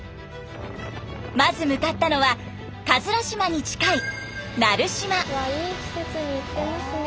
まず向かったのは島に近い奈留島。